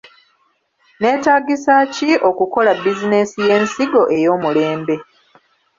Neetaagisa ki okukola bizinensi y’ensigo ey’omulembe?